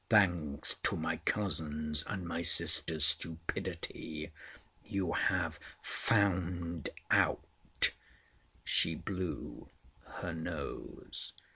"Thanks to my cousin's and my sister's stupidity, you have found out——" she blew her nose.